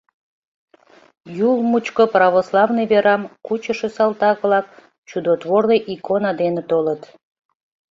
Юл мучко православный верам кучышо салтак-влак чудотворный икона дене толыт.